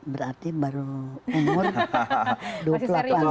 berarti baru umur dua puluh delapan tahun